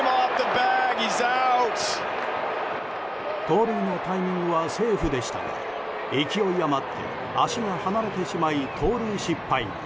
盗塁のタイミングはセーフでしたが勢い余って足が離れてしまい盗塁失敗。